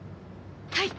はい。